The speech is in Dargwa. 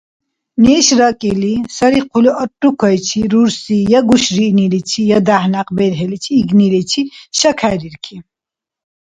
Неш ракӀили, сари хъули аррукайчи, рурси я гушриъниличи, я дяхӀ-някъ берхӀили игниличи шакхӀерирки.